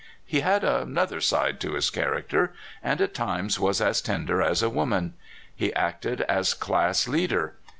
He had another side to his character, and at times was as tender as a woman. He acted as class leader.